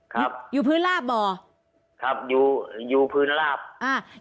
ครับอยู่พื้นลาบบ่อครับอยู่อยู่พื้นลาบอ่า